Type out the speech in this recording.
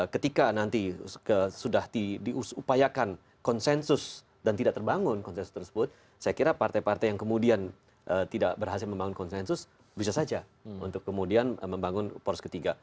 ketika nanti sudah diupayakan konsensus dan tidak terbangun konsensus tersebut saya kira partai partai yang kemudian tidak berhasil membangun konsensus bisa saja untuk kemudian membangun poros ketiga